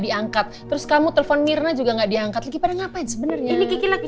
diangkat terus kamu telpon mirna juga nggak diangkat lagi pada ngapain sebenarnya ini kiki lagi